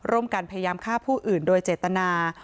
ร่วมกันพยายามฆ่าผู้อื่นโดยเจตนา